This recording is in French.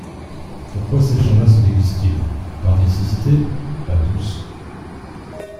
Pourquoi ces gens-là se déguisent-ils ? Par nécessité ? Pas tous.